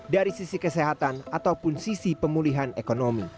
dari sisi kesehatan ataupun sisi pemulihan ekonomi